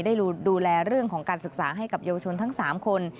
ได้ดูแลเรื่องของการศึกษาให้กับเยาวชนทั้ง๓คน